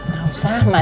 gak usah mak